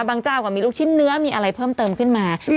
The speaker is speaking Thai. เจ้าก็มีลูกชิ้นเนื้อมีอะไรเพิ่มเติมขึ้นมา